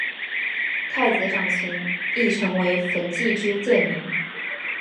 太子长琴亦成为焚寂之剑灵。